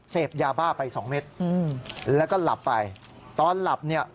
เสพยาบ้าไปสองเม็ดอืมแล้วก็หลับไปตอนหลับเนี่ย